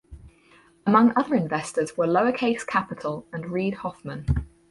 Among other investors were Lowercase Capital and Reid Hoffman.